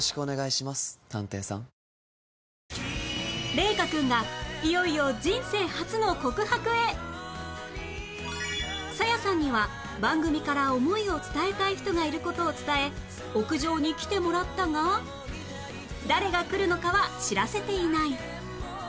玲翔くんがいよいよ沙耶さんには番組から思いを伝えたい人がいる事を伝え屋上に来てもらったが誰が来るのかは知らせていない